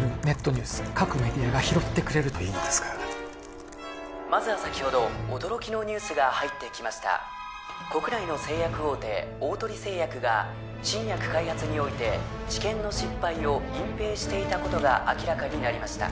ニュース各メディアが拾ってくれるといいのですがまずは先ほど驚きのニュースが入ってきました国内の製薬大手大鳥製薬が新薬開発において治験の失敗を隠ぺいしていたことが明らかになりました